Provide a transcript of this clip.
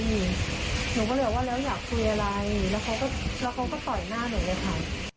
หนูก็เลยบอกว่าแล้วอยากคุยอะไรแล้วเขาก็แล้วเขาก็ต่อยหน้าหนูเลยค่ะ